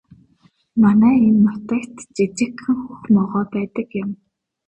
Манай энэ нутагт жижигхэн хөх могой байдаг юм.